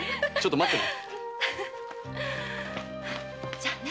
じゃあね。